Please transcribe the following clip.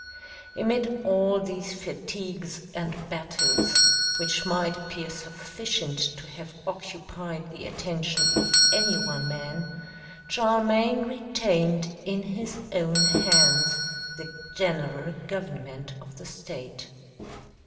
Amid all these fatigues and battles, which might appear sufficient to have occupied the attention of any one man, Charlemagne retained in his own hands the general government of the state.